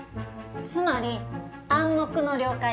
つまり「暗黙の了解」ね。